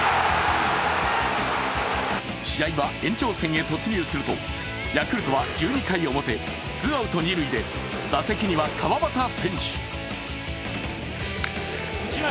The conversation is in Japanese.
試合は延長戦に突入するとヤクルトは１２回表ツーアウト、二塁で打席には川端選手。